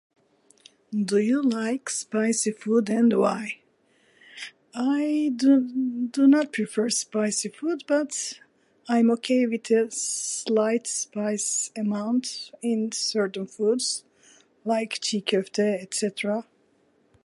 Do you like spicy food, and why? I don't- do not prefer spicy food, but I'm ok with a slight spice amount in certain foods. Like chee kofta, etcetera.